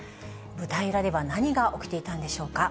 舞台裏では何が起きていたんでしょうか。